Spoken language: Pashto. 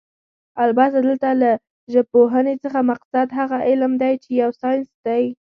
البته دلته له ژبپوهنې څخه مقصد هغه علم دی چې يو ساينس دی